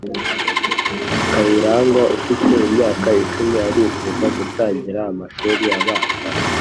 Kayirangwa ufite imyaka icumi arifuza gutangira amashuri abanza